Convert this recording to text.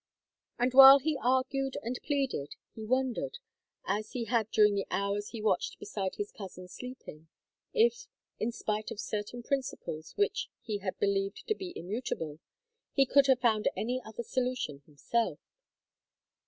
And while he argued and pleaded he wondered, as he had during the hours he watched beside his cousin sleeping, if, in spite of certain principles which he had believed to be immutable, he could have found any other solution himself.